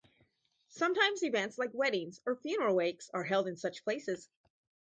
Sometimes, events like weddings or funeral wakes are held in such places.